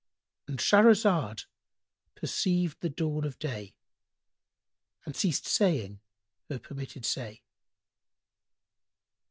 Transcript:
"—And Shahrazad perceived the dawn of day and ceased saying her permitted say.